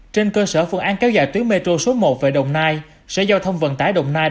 trên cơ sở phương án kéo dài tuyến metro số một về đồng nai sở giao thông vận tải đồng nai